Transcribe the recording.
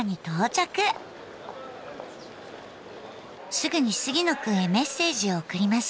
すぐに杉野くんへメッセージを送ります。